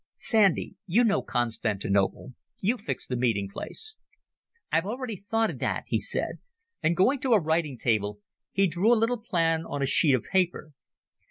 Sandy, you know Constantinople. You fix the meeting place." "I've already thought of that," he said, and going to the writing table he drew a little plan on a sheet of paper.